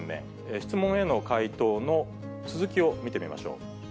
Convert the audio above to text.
質問への回答の続きを見てみましょう。